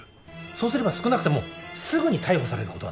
そうすれば少なくともすぐに逮捕されることはない。